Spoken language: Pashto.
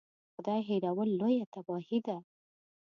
خدای هېرول لویه تباهي ده.